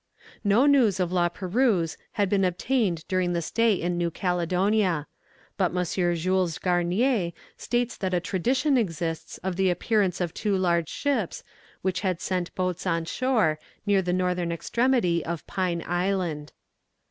No news of La Perouse had been obtained during the stay in New Caledonia. But M. Jules Garnier states that a tradition exists of the appearance of two large ships, which had sent boats on shore, near the northern extremity of Pine Island.